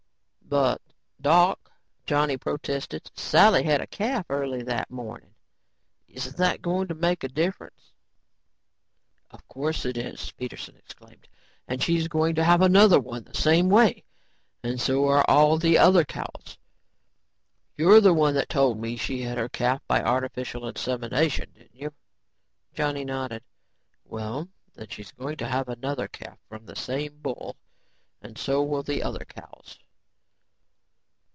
"But, Doc," Johnny protested. "Sally had a calf early that morning. Isn't that going to make a difference?" "Of course it is," Peterson exclaimed. "And she's going to have another one the same way. And so are all the other cows. You're the one that told me she had her calf by artificial insemination, didn't you?" Johnny nodded. "Well, then she's going to have another calf from the same bull and so will the other cows."